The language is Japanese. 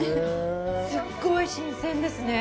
すごい新鮮ですね。